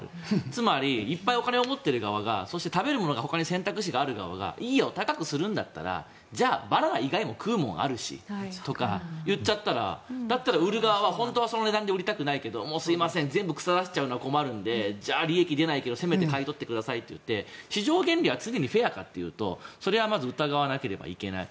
つまり、いっぱいお金を持っている側がそして食べるものにほかに選択肢がある側がいいよ、高くするんだったらじゃあ、バナナ以外も食うものあるしとか言っちゃったら売る側は本当はその値段で売りたくないけど全部は腐らせたくないから利益出ないけど買い取ってくださいって市場原理は常にフェアかというとそれは疑わなきゃいけない。